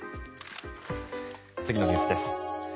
次のニュースです。